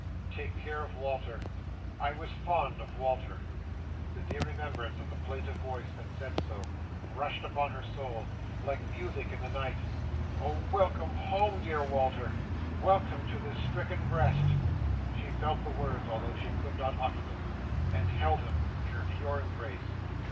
"Take care of Walter, I was fond of Walter!" The dear remembrance of the plaintive voice that said so, rushed upon her soul, like music in the night. "Oh welcome home, dear Walter! Welcome to this stricken breast!" She felt the words, although she could not utter them, and held him in her pure embrace.